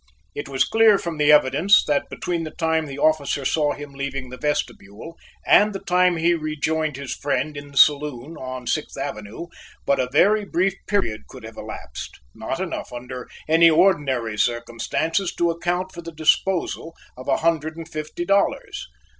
It was clear from the evidence that between the time the officer saw him leaving the vestibule and the time he rejoined his friend in the saloon on Sixth Avenue but a very brief period could have elapsed, not enough under any ordinary circumstances to account for the disposal of a hundred and fifty dollars.